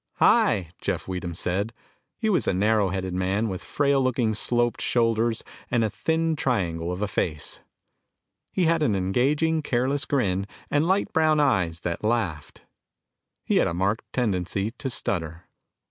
"Hi," Jeff Weedham said. He was a narrow headed man with frail looking sloped shoulders and a thin triangle of face. He had an engaging, careless grin, and light brown eyes that laughed. He had a marked tendency to stutter.